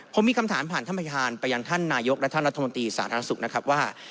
ผมมีคำถามผ่านท่านประธานไปยังท่านนายกและท่านรัฐมนตรีสาธารณสุขนะครับว่า